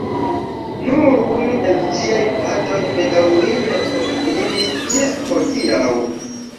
Nur unu el ĝiaj paĝoj bedaŭrinde postvivis ĝis hodiaŭ.